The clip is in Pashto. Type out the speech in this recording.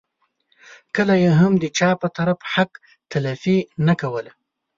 کله یې هم د چا په طرف حق تلفي نه کوله.